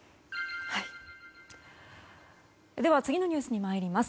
では次のニュースに参ります。